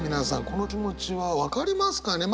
この気持ちは分かりますかね？